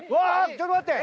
ちょっと待って。